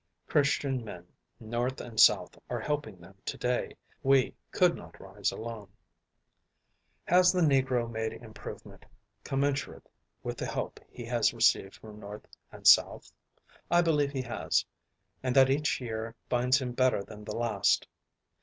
Christian men, North and South, are helping them to day. We could not rise alone. Has the Negro made improvement commensurate with the help he has received from North and South? I believe he has, and that each year finds him better than the last.